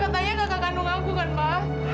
katanya kakak kandung aku kan pak